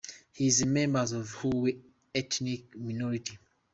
He is a member of the Hui ethnic minority.